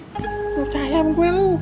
nggak percaya sama gue lu